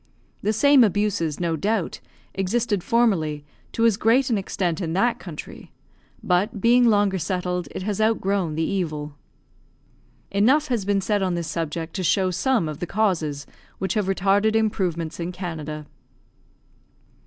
The same abuses, no doubt, existed formerly to as great an extent in that country, but, being longer settled, it has outgrown the evil. Enough has been said on this subject to show some of the causes which have retarded improvements in Canada.